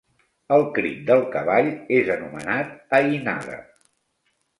El crit del cavall és anomenat "aïnada".